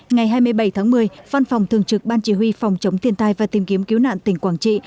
ngày hai mươi bảy tháng một mươi văn phòng thường trực ban chỉ huy phòng chống thiên tai và tìm kiếm cứu nạn tỉnh quảng trị